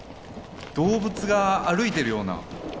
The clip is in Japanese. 動物が歩いてるような。